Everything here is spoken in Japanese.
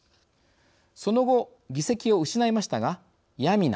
その後議席を失いましたがヤミナ